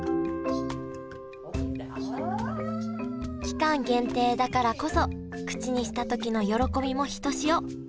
期間限定だからこそ口にした時の喜びもひとしお。